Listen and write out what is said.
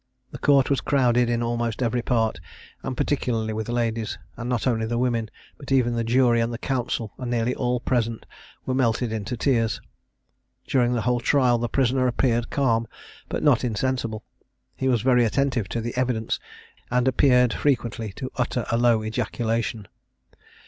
The court was crowded in almost every part, and particularly with ladies; and not only the women, but even the jury, the counsel, and nearly all present, were melted into tears. During the whole trial the prisoner appeared calm, but not insensible. He was very attentive to the evidence, and appeared frequently to utter a low ejaculation.